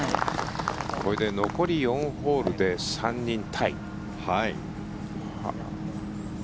これで残り４ホールで３人タイ。